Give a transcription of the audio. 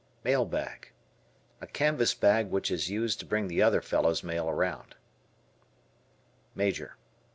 Mail Bag. A canvas bag which is used to bring the other fellow's mail around. Major.